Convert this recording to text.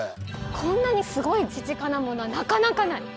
こんなにすごい乳金物はなかなかない。